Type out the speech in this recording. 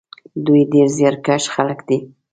دوی ډېر زیارکښ خلک دي.